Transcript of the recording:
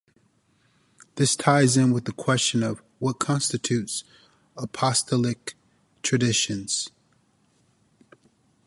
This ties in with the question of what constitutes Apostolic Tradition.